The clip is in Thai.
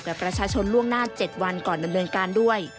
กับประชาชนล่วงหน้า๗วันก่อนดำเนินการด้วย